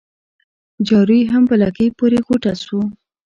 جارو يې هم په لکۍ پوري غوټه سو